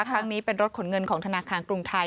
ครั้งนี้เป็นรถขนเงินของธนาคารกรุงไทย